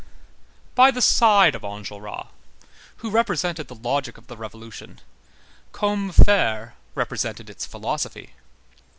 By the side of Enjolras, who represented the logic of the Revolution, Combeferre represented its philosophy.